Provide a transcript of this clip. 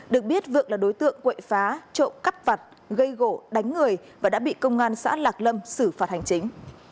được biết vượng là đối tượng quệ phá trộm cắp vặt gây gỗ đánh người và đã bị công an xã lạc lâm xử phạt hành chính